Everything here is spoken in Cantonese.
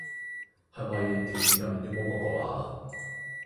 係咪條片入面攣毛嗰個啊？